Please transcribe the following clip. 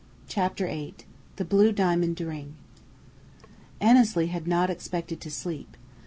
CHAPTER VIII THE BLUE DIAMOND RING Annesley had not expected to sleep.